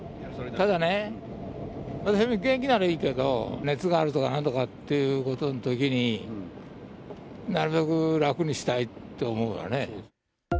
ただね、元気ならいいけど、熱があるとかなんとかっていうときに、なるべく楽にしたいって思うわね。